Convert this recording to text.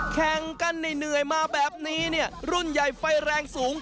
แข่งกันเหนื่อยมาแบบนี้เนี่ยรุ่นใหญ่ไฟแรงสูง